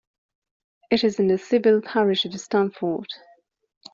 It is in the civil parish of Stanford.